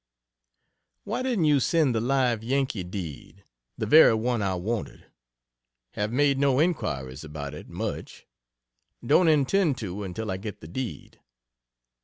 Why didn't you send the "Live Yankee" deed the very one I wanted? Have made no inquiries about it, much. Don't intend to until I get the deed.